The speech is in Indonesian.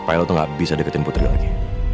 supaya lo tuh gak bisa deketin putri lo lagi